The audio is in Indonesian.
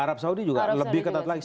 arab saudi juga lebih ketat lagi